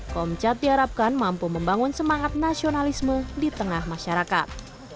komcat diharapkan mampu membangun semangat nasionalisme di tengah masyarakat